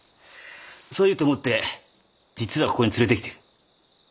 そう言うと思って実はここに連れてきてる。